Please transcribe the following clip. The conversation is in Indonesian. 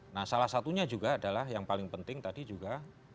nah salah satunya juga adalah yang paling penting tadi juga